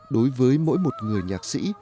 đối với mỗi một người nhạc sĩ